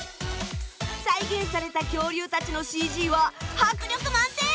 再現された恐竜たちのＣＧは迫力満点！